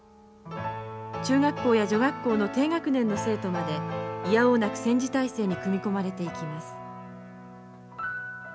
中学校や女学校の低学年の生徒までいやおうなく戦時体制に組み込まれていきます。